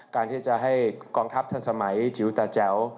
การที่จะให้กองทัพทันสมัยจิ๋วตาแจ๋ว